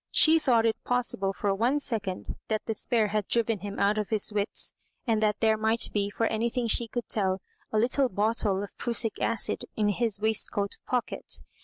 She thought it pos sible for one second that despair had driven him out of his wits, and that there might be, for any thing she could tell, a little bottle of prusslc acid in his waistcoat pocket.